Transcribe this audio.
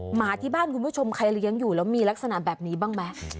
หมาที่บ้านคุณผู้ชมใครเลี้ยงอยู่แล้วมีลักษณะแบบนี้บ้างไหม